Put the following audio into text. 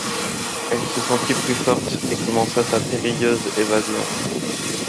Elle se sentit plus forte et commença sa périlleuse évasion.